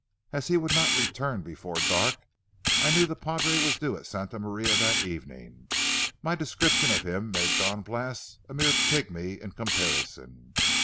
As he would not return before dark, and I knew the padre was due at Santa Maria that evening, my description of him made Don Blas a mere pigmy in comparison.